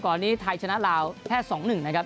นี้ไทยชนะลาวแค่๒๑นะครับ